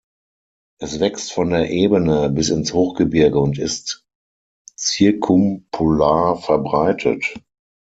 Es wächst von der Ebene bis ins Hochgebirge und ist zirkumpolar verbreitet.